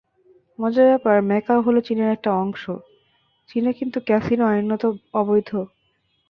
মজার ব্যাপার, ম্যাকাও হলো চীনের একটা অংশ, চীনে কিন্তু ক্যাসিনো আইনত অবৈধ।